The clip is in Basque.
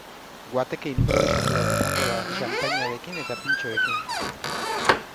Guateke inprobisatu bat izango da, xanpainarekin eta pintxoekin.